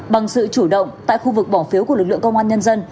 bằng sự chủ động tại khu vực bỏ phiếu của lực lượng công an nhân dân